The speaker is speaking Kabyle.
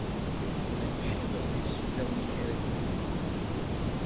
Mačči ɣef iseflawen-ik ara k-lummeɣ.